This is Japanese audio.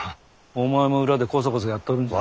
お前も裏でこそこそやっとるんじゃろ？